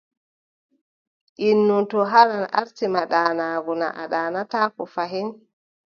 Innu to haran aarti ma ɗaanaago, naa a ɗaanataako fahin.